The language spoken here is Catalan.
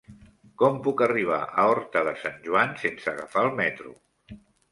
Com puc arribar a Horta de Sant Joan sense agafar el metro?